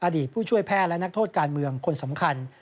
ผู้ช่วยแพทย์และนักโทษการเมืองคนสำคัญ